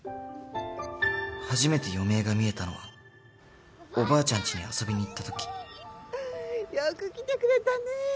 初めて余命が見えたのはおばあちゃんちに遊びに行った時よく来てくれたね